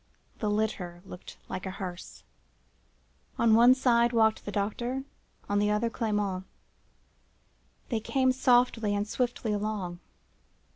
The litter looked like a hearse; on one side walked the doctor, on the other Clement; they came softly and swiftly along.